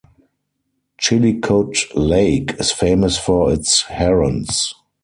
Chillicote lake is famous for its herons.